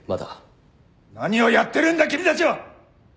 何をやってるんだ君たちは！